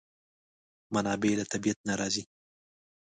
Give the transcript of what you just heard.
منابع له طبیعت نه راځي.